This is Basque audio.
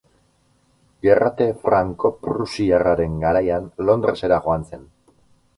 Gerrate franko-prusiarraren garaian Londresera joan zen.